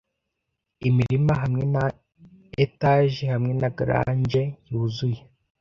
Imirima, hamwe na etage, hamwe na grange yuzuye